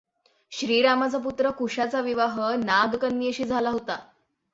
श्रीरामाचा पुत्र कुशाचा विवाह नागकन्येशी झाला होता.